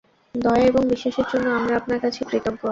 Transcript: দয়া এবং বিশ্বাসের জন্য, আমরা আপনার কাছে কৃতজ্ঞ।